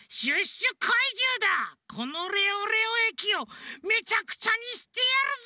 このレオレオ駅をめちゃくちゃにしてやるぞ！